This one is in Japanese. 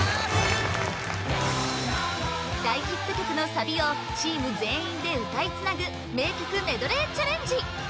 大ヒット曲のサビをチーム全員で歌いつなぐ名曲メドレーチャレンジ